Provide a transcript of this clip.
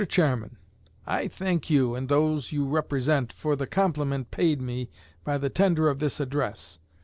CHAIRMAN: I thank you, and those you represent, for the compliment paid me by the tender of this address.